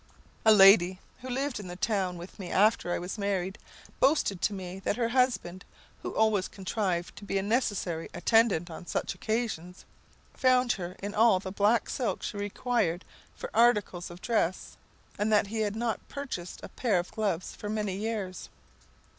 A lady, who lived in the same town with me after I was married, boasted to me that her husband (who always contrived to be a necessary attendant on such occasions) found her in all the black silk she required for articles of dress, and that he had not purchased a pair of gloves for many years.